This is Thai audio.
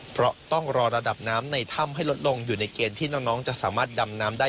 เพราะต้องรอระดับน้ำในถ้ำให้ลดลงอยู่ในเกณฑ์ที่น้องจะสามารถดำน้ำได้